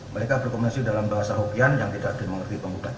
mereka berkomunisi dalam bahasa hukum yang tidak dimengerti penggugat